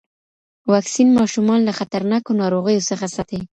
واکسین ماشومان له خطرناکو ناروغیو څخه ساتي.